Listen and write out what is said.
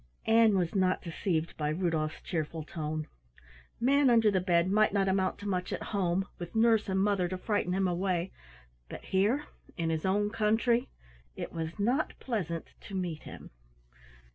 Ann was not deceived by Rudolf's cheerful tone. Manunderthebed might not amount to much at home with nurse and mother to frighten him away, but here in his own country it was not pleasant to meet him.